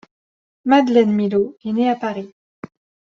Madeleine Milhaud est née à Paris.